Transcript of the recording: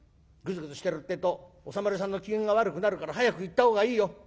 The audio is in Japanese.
ぐずぐずしてるってえとお侍さんの機嫌が悪くなるから早く行った方がいいよ。